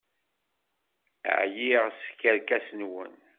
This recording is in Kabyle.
Ɛyiɣ seg tkerkas-nwen!